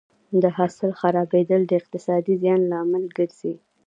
د حاصل خرابېدل د اقتصادي زیان لامل ګرځي.